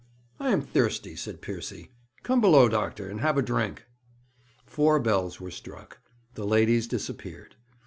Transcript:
'I am thirsty,' said Piercy; 'come below, doctor, and have a drink.' Four bells were struck. The ladies disappeared.